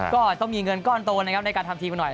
ก็ต้องมีเงินก้อนโตนะครับในการทำทีมกันหน่อย